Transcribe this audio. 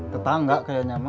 tetangga kayaknya ma